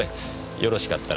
よろしかったら。